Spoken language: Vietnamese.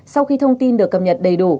sau khi thông tin được cập nhật đầy đủ